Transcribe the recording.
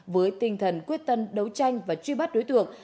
với tinh thần quyết tâm đấu tranh và truy bắt đối tượng